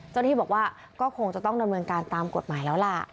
ที่บอกว่าก็คงจะต้องดำเนินการตามกฎหมายแล้วล่ะ